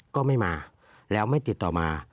ก็ไม่มาแล้วไม่ติดต่อมา